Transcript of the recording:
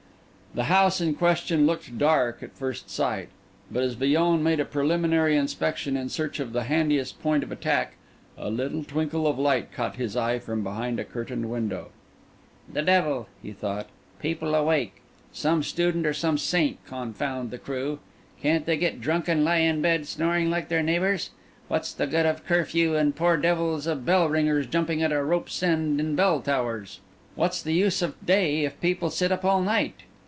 The house in question looked dark at first sight; but as Villon made a preliminary inspection in search of the handiest point of attack, a little twinkle of light caught his eye from behind a curtained window. "The devil!" he thought. "People awake! Some student or some saint, confound the crew! Can't they get drunk and lie in bed snoring like their neighbours? What's the good of curfew, and poor devils of bell ringers jumping at a rope's end in bell towers? What's the use of day, if people sit up all night?